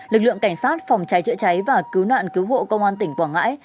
lực lượng cảnh sát phòng cháy chữa cháy và cứu nạn cứu hộ công an tỉnh quảng ngãi